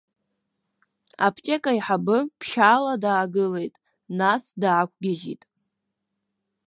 Аԥҭека аиҳабы ԥшьшьала даагылеит, нас даақәгьежьит.